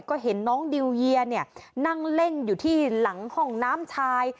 ก็เห็นน้องดิวเยียเนี่ยนั่งเล่นอยู่ที่หลังห้องน้ำชาย